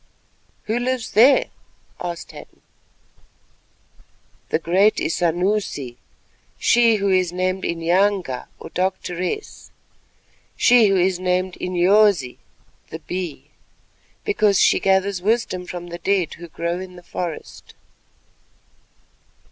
"Who lives there?" asked Hadden. "The great Isanusi—she who is named Inyanga or Doctoress; she who is named Inyosi (the Bee), because she gathers wisdom from the dead who grow in the forest."